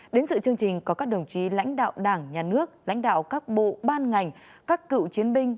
đến sự chương trình có các đồng chí lãnh đạo đảng nhà nước lãnh đạo các bộ ban ngành các cựu chiến binh